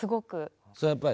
それはやっぱり。